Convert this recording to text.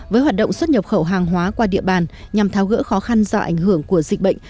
với hoạt động xuất nhập khẩu hàng hóa qua địa bàn nhằm tháo gỡ khó khăn do ảnh hưởng của dịch bệnh